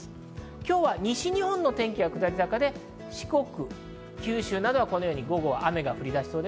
今日は西日本の天気が下り坂で、四国、九州など午後は雨が降り出しそうです。